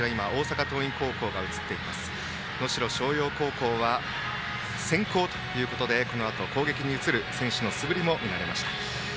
能代松陽は先攻ということでこのあと攻撃に移る選手の素振りも見られました。